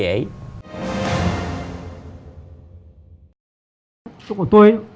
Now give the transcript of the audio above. trong cuộc tôi